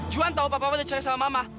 juhan tahu papa udah cerai sama mama